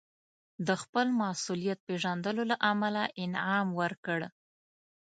د خپل مسوولیت پېژندلو له امله انعام ورکړ.